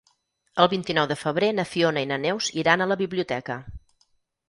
El vint-i-nou de febrer na Fiona i na Neus iran a la biblioteca.